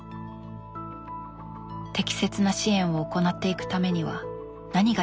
適切な支援を行っていくためには何が必要なのか。